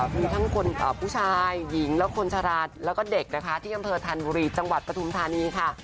มีทั้งคนผู้ชายหญิงและคนชราแล้วก็เด็กนะคะที่อำเภอธัญบุรีจังหวัดปฐุมธานีค่ะ